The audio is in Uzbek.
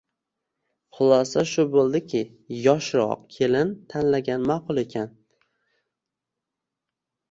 Xulosa shu bo`ldiki, yoshroq kelin tanlagan ma`qul ekan